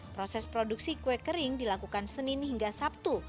proses produksi kue kering dilakukan senin hingga sabtu